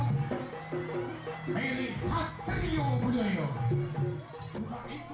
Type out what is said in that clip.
atas ketidakadilan kebijakan para penguasa